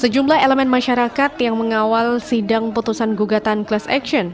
sejumlah elemen masyarakat yang mengawal sidang putusan gugatan class action